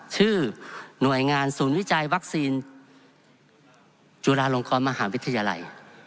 ชื่อหน่วยงานศูนย์วิจัยวัคซีนจุฬาลงกรมหาวิทยาลัย